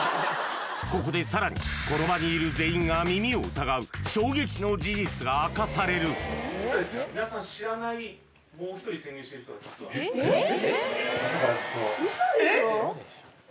ここでさらにこの場にいる全員が耳を疑う衝撃の事実が明かされるえっ？